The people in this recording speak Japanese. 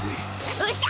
うっしゃ！